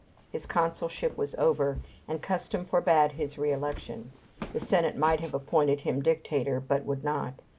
His consulship was over, and custom forbade his re election. The Senate might have appointed him Dictator, but would not.